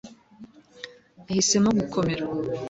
yahisemo gukomera